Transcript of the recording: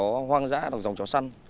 chó hoàng giá là giống chó săn